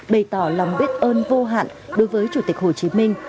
bày tỏ lòng biết ơn vô hạn đối với chủ tịch hồ chí minh